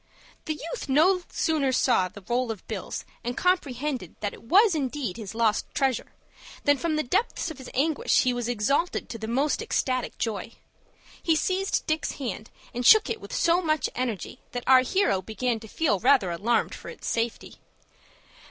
The youth no sooner saw the roll of bills, and comprehended that it was indeed his lost treasure, than from the depths of anguish he was exalted to the most ecstatic joy. He seized Dick's hand, and shook it with so much energy that our hero began to feel rather alarmed for its safety.